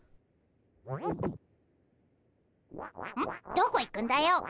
どこ行くんだよ。